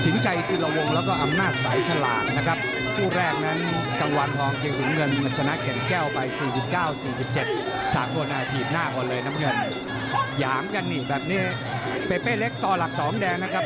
นำเงินหยามกันแบบนี้เป๊ะเป๊ะเล็กต่อหลักสองแดงนะครับ